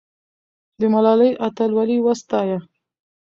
د ملالۍ اتلولي وستایه.